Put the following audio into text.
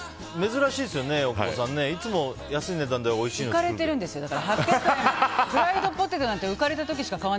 珍しいですよね大久保さん、いつも休んでたんでおいしいのが。